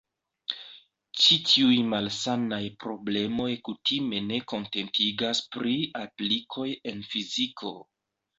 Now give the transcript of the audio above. Ĉi tiuj "malsanaj" problemoj kutime ne kontentigas pri aplikoj en fiziko.